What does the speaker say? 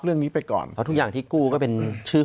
เดี๋ยวเราดูกันต่อไป